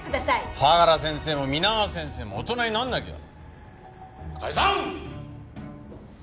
相良先生も皆川先生も大人にならなきゃ。解散！